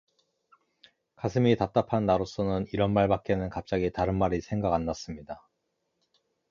가슴이 답답한 나로서는 이런 말밖에는 갑자기 다른 말이 생각 안 났습니다.